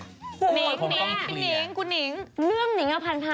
นิ๊กพี่นิ๊กเรื่องนิ๊กเอาผ่านไปเถอะ